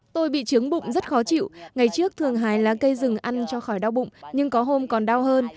tôi bị chứng bụng rất khó chịu ngày trước thường hái lá cây rừng ăn cho khỏi đau bụng nhưng có hôm còn đau hơn